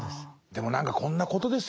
でも何かこんなことですよね。